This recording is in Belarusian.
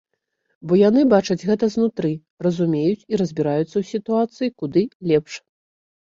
Бо яны бачаць гэта знутры, разумеюць і разбіраюцца ў сітуацыі куды лепш.